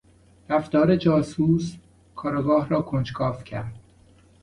رفتار جاسوس، کارآگاه را کنجکاو کرد.